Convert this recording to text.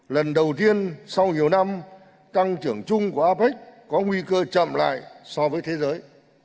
lần đầu tiên sau nhiều năm tăng trưởng chung của apec có nguy cơ chậm lại so với thế giới